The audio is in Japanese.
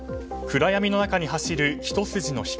暗闇の中に走る、ひと筋の光。